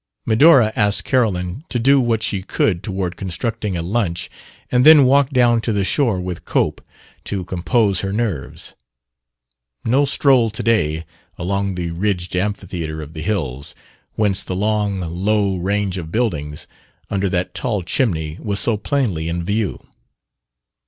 Medora asked Carolyn to do what she could toward constructing a lunch and then walked down to the shore with Cope to compose her nerves. No stroll today along the ridged amphitheatre of the hills, whence the long, low range of buildings, under that tall chimney, was so plainly in view.